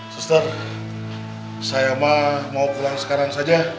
suster saya mah mau pulang sekarang saja